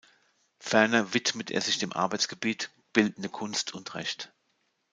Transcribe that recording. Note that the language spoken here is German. Ferner widmet er sich dem Arbeitsgebiet „Bildende Kunst und Recht“.